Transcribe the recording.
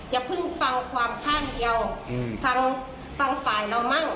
อย่าเพิ่งฟังความข้างเดียวฟังฟังฝ่ายเรามั่ง